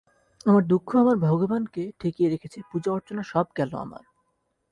আমার দুঃখ আমার ভগবানকে ঠেকিয়ে রেখেছে, পূজা অর্চনা সব গেল আমার।